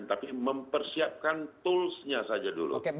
tapi mempersiapkan tools nya saja dulu